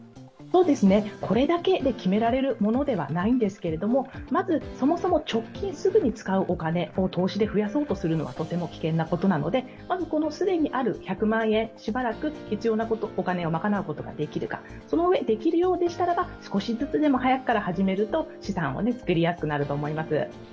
これだけで決められるものではないんですけれどもまずそもそも、すぐに使うお金を投資で増やそうとするのはとても危険なことなので、まず既にある１００万円、しばらく必要なお金を賄うことができるかそのうえ、できるようでしたら少しずつでも早く始めると資産を作りやすくなると思います。